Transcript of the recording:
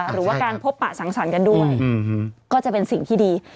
หรือว่าการพบปะสังสรรค์กันด้วยก็จะเป็นสิ่งที่ดี